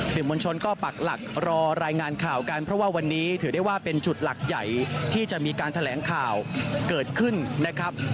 มวลชนก็ปักหลักรอรายงานข่าวกันเพราะว่าวันนี้ถือได้ว่าเป็นจุดหลักใหญ่ที่จะมีการแถลงข่าวเกิดขึ้นนะครับ